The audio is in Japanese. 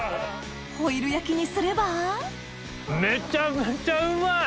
ホイル焼きにすればめちゃめちゃうまい！